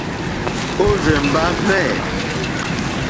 Òrzèmbá hwɛ̂.